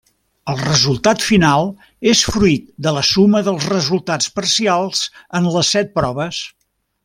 El resultat final és fruit de la suma dels resultats parcials en les set proves.